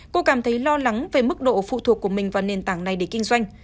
cô cảm thấy lo lắng về mức độ phụ thuộc của mình vào nền tảng này để kinh doanh